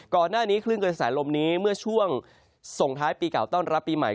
ก่อนหน้านี้คลื่นกระแสลมนี้เมื่อช่วงส่งท้ายปีเก่าต้อนรับปีใหม่